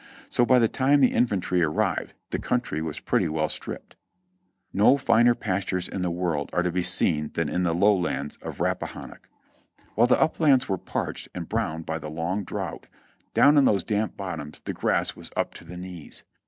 So by the time the infantry arrived the country was pretty well stripped. No finer pastures in the world are to be seen than in the lowlands of Rappahannock ; while the uplands were parched and browned by the long drouth, down in those damp bottoms the grass was up to the knees.